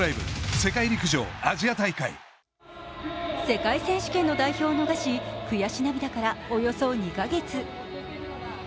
世界選手権の代表を逃し悔し涙からおよそ２カ月。